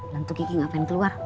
lalu kiki ngapain keluar